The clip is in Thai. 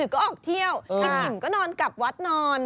ก็ออกเที่ยวกินอิ่มก็นอนกลับวัดนอน